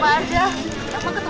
bagaimana ketemu siapa aja